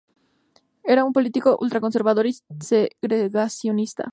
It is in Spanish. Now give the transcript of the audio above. Era un político ultraconservador y segregacionista.